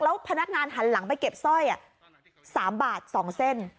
แล้วพนักงานหันหลังไปเก็บสร้อย๓บาท๒เส้น